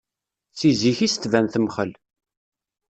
Si zik-is tban temxel.